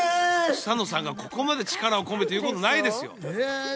草野さんがここまで力を込めて言うことないですよ